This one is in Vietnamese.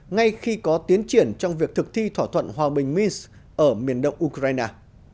ngay khi có tiến triển trong việc thực thi thỏa thuận hòa bình minsk ở miền đông ukraine